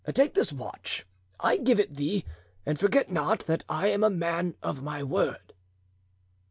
Take this watch, I give it thee, and forget not that I am a man of my word."